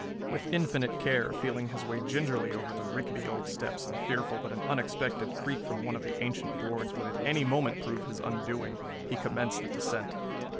With infinite care, feeling his way gingerly over the rickety old steps and fearful that an unexpected creak from one of the ancient boards would at any moment prove his undoing, he commenced the descent.